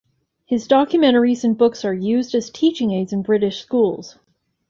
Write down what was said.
His documentaries and books are used as teaching aids in British schools.